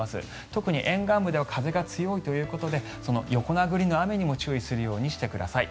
特に沿岸部では風が強いということでその横殴りの雨にも注意するようにしてください。